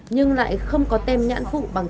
nhưng lại không có tem nhãn phụ bằng